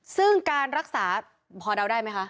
ซึ่งการรักษาพอเดาได้ไหมคะ